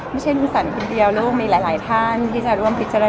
ไม่ใช่ลูกสันคนเดียวลูกมีหลายท่านที่จะร่วมพิจารณา